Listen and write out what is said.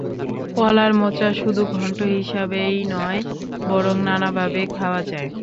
কলার মোচা শুধু ঘণ্ট হিসেবেই নয় বরং নানাভাবে খাওয়া যায়।